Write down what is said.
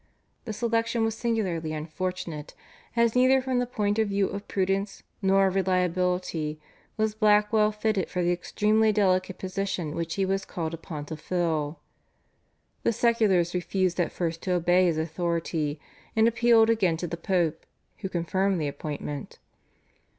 The selection was singularly unfortunate, as neither from the point of view of prudence nor of reliability was Blackwell fitted for the extremely delicate position which he was called upon to fill. The seculars refused at first to obey his authority and appealed again to the Pope, who confirmed the appointment.